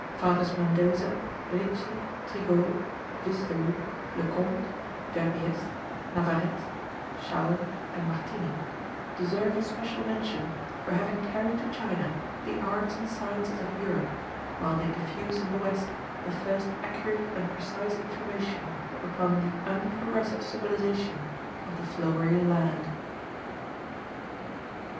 Fathers Mendoza, Ricci, Trigault, Visdelou, Lecomte, Verbiest, Navarrete, Schall, and Martini, deserve especial mention for having carried to China the arts and sciences of Europe, while they diffused in the west the first accurate and precise information upon the unprogressive civilization of the Flowery Land.